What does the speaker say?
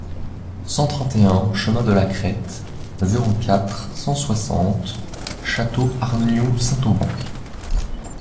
cent trente et un chemin de la Crête, zéro quatre, cent soixante, Château-Arnoux-Saint-Auban